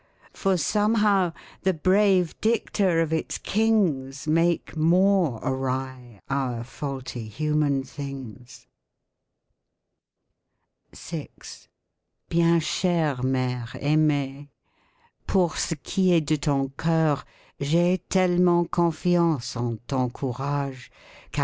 For somehow the brave dicta of its kings Make more awry our faulty human things . VI Bien chere mere aimee, ... Pour ce qui est de ton coeur, j ' ai tellement confiance en ton courage, qu'i.